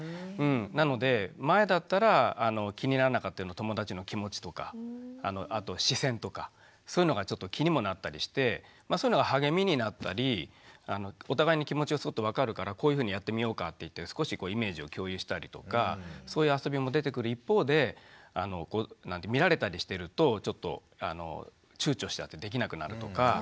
なので前だったら気にならなかったような友だちの気持ちとかあと視線とかそういうのがちょっと気にもなったりしてそういうのが励みになったりお互いに気持ちが分かるからこういうふうにやってみようかって少しイメージを共有したりとかそういう遊びも出てくる一方で見られたりしてるとちょっとちゅうちょしちゃってできなくなるとか。